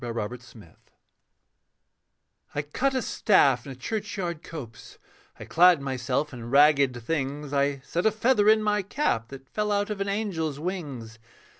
MODERN ELFLAND I Cut a staff in a churchyard copse, I clad myself in ragged things, I set a feather in my cap That fell out of an angel's wings.